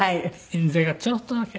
印税がちょろっとだけ。